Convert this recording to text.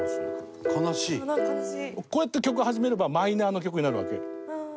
葉加瀬：こうやって曲を始めればマイナーの曲になるわけよ。